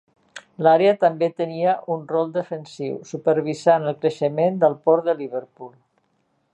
L'àrea també tenia un rol defensiu supervisant el creixement del port de Liverpool.